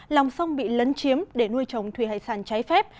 lòng sông bị lấn chiếm để nuôi trồng thủy hải sản trái phép